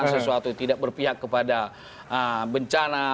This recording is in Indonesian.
kalau itu berpihak kepada bencana